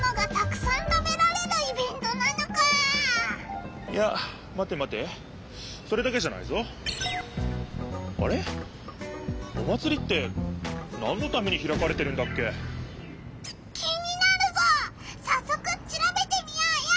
さっそくしらべてみようよ！